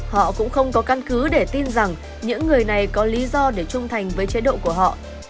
họ cũng không có căn cứ để tin rằng những người này có lý do để trung thành với chế độ của họ